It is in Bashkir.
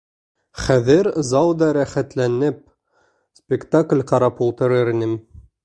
Хәҙер залда рәхәтләнеп спектакль ҡарап ултырыр инем!..